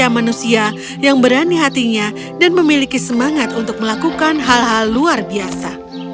melakukan hal hal luar biasa